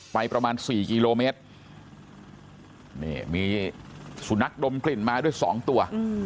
ประมาณสี่กิโลเมตรนี่มีสุนัขดมกลิ่นมาด้วยสองตัว